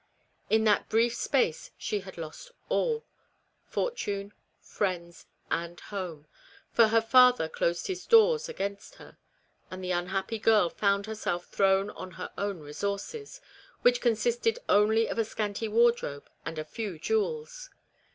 In that brief space she had lost all ; fortune, friends, and home ; for her father closed his doors against her ; and the unhappy girl found herself thrown on her own resources, which consisted only of a scanty wardrobe and a few jewels.